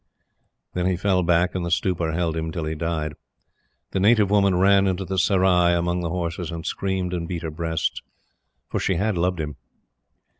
Then he fell back, and the stupor held him till he died. The native woman ran into the Serai among the horses and screamed and beat her breasts; for she had loved him.